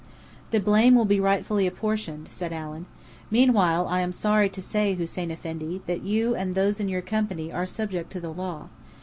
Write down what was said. "The blame will be rightfully apportioned," said Allen. "Meanwhile, I am sorry to say, Hussein Effendi, that you and those in your company are subject to the law.